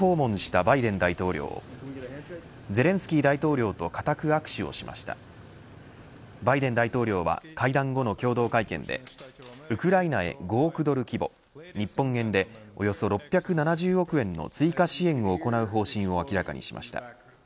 バイデン大統領は会談後の共同会見でウクライナへ５億ドル規模日本円でおよそ６７０億円の追加支援を行う方針を明らかにしました。